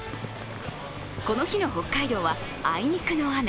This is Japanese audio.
この日の北海道はあいにくの雨。